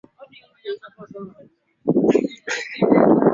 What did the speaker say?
Hakika kila mmoja hutamani kupata nafasi ya kuhudhuria tamasha tilo